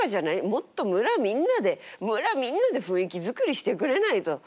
もっと村みんなで村みんなで雰囲気作りしてくれないと。